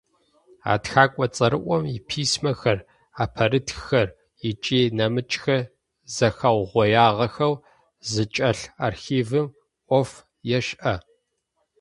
А тхэкӏо цӏэрыӏом иписьмэхэр, ӏэпэрытххэр ыкӏи нэмыкӏхэр зэхэугъоягъэхэу зычӏэлъ архивым ӏоф ешӏэ.